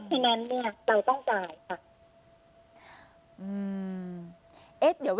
ฉะนั้นเนี่ยเราต้องจ่ายค่ะ